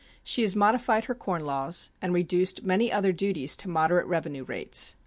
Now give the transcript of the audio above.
She has modified her corn laws and reduced many other duties to moderate revenue rates.